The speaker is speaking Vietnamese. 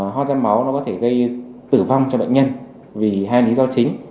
ho ra máu nó có thể gây tử vong cho bệnh nhân vì hai lý do chính